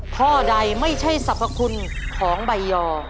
ข้อใดไม่ใช่สรรพคุณของใบยอ